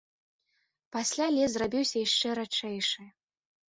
Пасля лес зрабіўся яшчэ радчэйшы.